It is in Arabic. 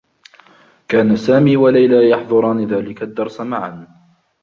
كانا سامي و ليلى يحضران ذلك الدّرس معا.